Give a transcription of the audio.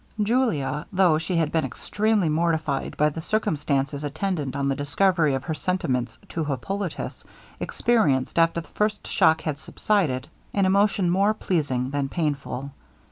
Julia, though she had been extremely mortified by the circumstances attendant on the discovery of her sentiments to Hippolitus, experienced, after the first shock had subsided, an emotion more pleasing than painful.